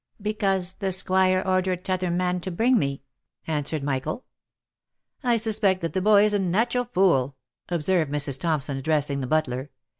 " Because the squire ordered t'other man to bring me," answered Michael. " I suspect that the boy is a natural fool," observed Mrs. Thompson, addressing the butler.